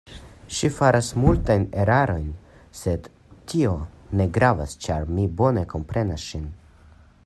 Ŝi faras multajn erarojn, sed tio ne gravas, ĉar mi bone komprenas ŝin.